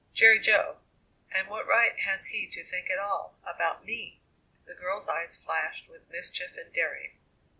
"Jerry Jo! And what right has he to think at all about me?" The girl's eyes flashed with mischief and daring.